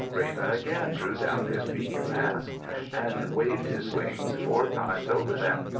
Raven again drew down his beak mask and waved his wings four times over them.